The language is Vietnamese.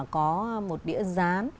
có một đĩa rán